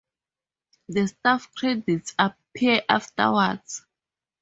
The staff credits appear afterwards.